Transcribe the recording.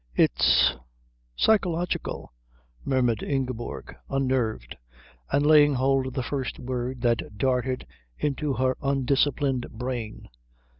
"It's psychological," murmured Ingeborg unnerved, and laying hold of the first word that darted into her undisciplined brain.